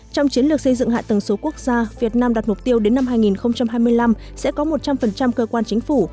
trong chiến lược xây dựng hạ tầng số quốc gia việt nam đặt mục tiêu đến năm hai nghìn hai mươi năm sẽ có một trăm linh cơ quan chính phủ